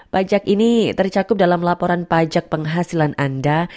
pajak ini tercakup dalam laporan pajak penghasilan anda